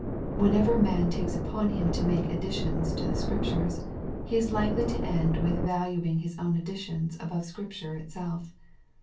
Whenever a man takes upon him to make ad ditions to the Scriptures, he is likely to end with valuing his own additions above Scripture itself.